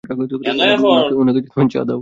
ওনাকে চা দাও।